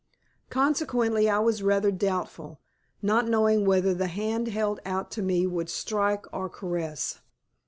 Consequently I was rather doubtful, not knowing whether the hand held out to me would strike or caress.